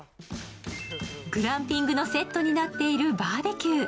グランピングのセットになっているバーベキュー。